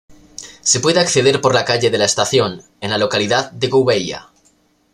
Se puede acceder por la Calle de la Estación, en la localidad de Gouveia.